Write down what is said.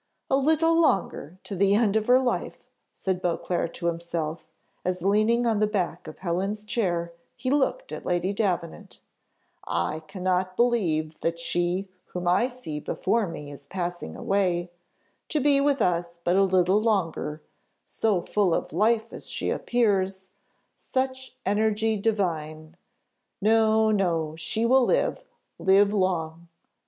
"A little longer, to the end of her life!" said Beauclerc to himself, as leaning on the back of Helen's chair he looked at Lady Davenant. "I cannot believe that she whom I see before me is passing away, to be with us but a little longer; so full of life as she appears; such energy divine! No, no, she will live, live long!"